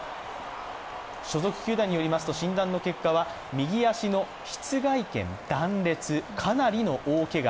所属球団によりますと、診断の結果は右足の膝蓋腱断裂かなりの大けが。